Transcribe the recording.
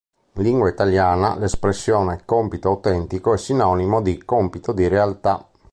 In lingua italiana l'espressione "compito autentico" è sinonimo di "compito di realtà".